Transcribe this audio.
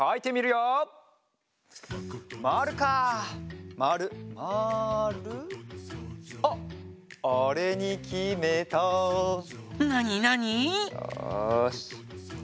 よし。